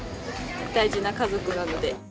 大事な家族なので。